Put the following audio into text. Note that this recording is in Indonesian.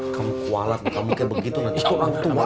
kamu kualat kamu kayak begitu nanti tuh orang tua